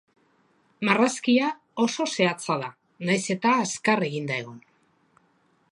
Marrazkia oso zehatza da nahiz eta azkar eginda egon.